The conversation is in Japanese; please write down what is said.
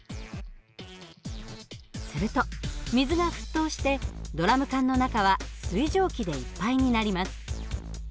すると水が沸騰してドラム缶の中は水蒸気でいっぱいになります。